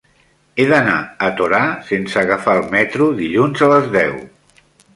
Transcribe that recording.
He d'anar a Torà sense agafar el metro dilluns a les deu.